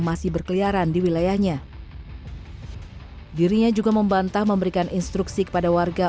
masih berkeliaran di wilayahnya dirinya juga membantah memberikan instruksi kepada warga